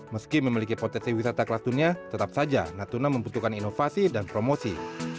meski memiliki potensi wisata kelas dunia tetap saja natuna membutuhkan inovasi dan promosi